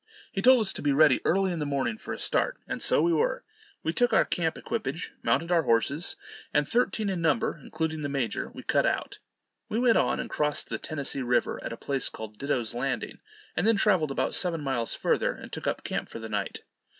He told us to be ready early in the morning for a start; and so we were. We took our camp equipage, mounted our horses, and, thirteen in number, including the major, we cut out. We went on, and crossed the Tennessee river at a place called Ditto's Landing; and then traveled about seven miles further, and took up camp for the night.